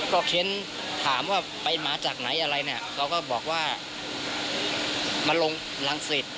ก็เค้นถามว่าไปมาจากไหนอะไรเนี่ยเราก็บอกว่ามาลงรังสิต